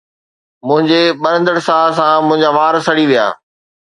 منهنجي ٻرندڙ ساهه سان منهنجا وار سڙي ويا